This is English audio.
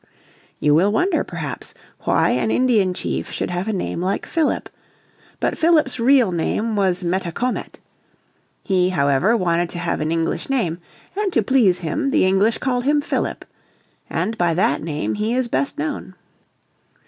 You will wonder, perhaps, why an Indian chief should have a name like Philip. But Philip's real name was Metacomet. He, however, wanted to have an English name, and to please him the English called him Philip. And by that name he is best known.